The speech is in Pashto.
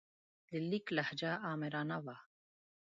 د لیک لهجه آمرانه وه.